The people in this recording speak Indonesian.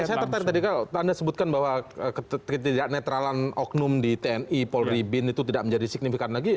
saya tertarik tadi kalau anda sebutkan bahwa ketidak netralan oknum di tni polri bin itu tidak menjadi signifikan lagi